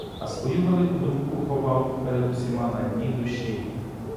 А свою велику думку ховав перед усіма на дні душі.